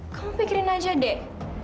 kamu pikirin aja deh